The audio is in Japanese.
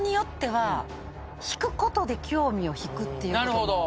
なるほど。